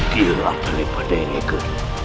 dia adalah yang ingin saya sembunyikan